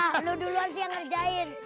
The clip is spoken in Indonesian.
nah lu duluan sih yang ngerjain